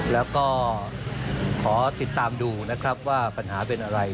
แล้วก็ขอติดตามดูนะครับว่าปัญหาเป็นอะไร